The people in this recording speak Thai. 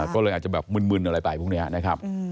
ก็เลยอาจจะแบบมึนอะไรไปพวกนี้นะครับ